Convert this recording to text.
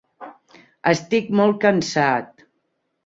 Estic molt cansat.